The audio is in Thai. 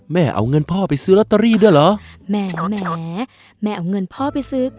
แม่เอาเงินพ่อไปซื้อลอตเตอรี่ด้วยเหรอแหมแม่เอาเงินพ่อไปซื้อ